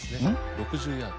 ６０ヤード。